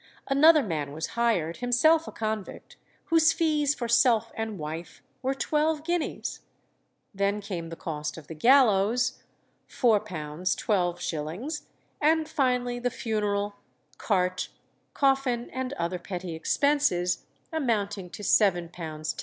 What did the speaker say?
Another man was hired, himself a convict, whose fees for self and wife were twelve guineas. Then came the cost of the gallows, £4 12_s._; and finally the funeral, cart, coffin, and other petty expenses, amounting to £7 10_s.